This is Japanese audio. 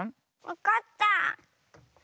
わかった。